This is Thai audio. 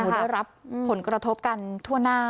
ได้รับผลกระทบกันทั่วหน้า